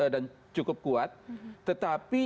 dan cukup kuat tetapi